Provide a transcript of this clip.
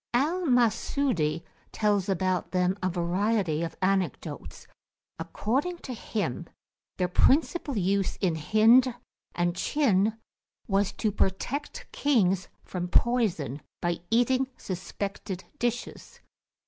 Al Masudi tells about them a variety of anecdotes. According to him their principal use in Hind and Chin was to protect kings from poison, by eating suspected dishes.